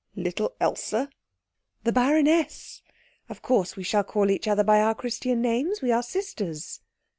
"Little Else?" "The baroness. Of course we shall call each other by our Christian names. We are sisters."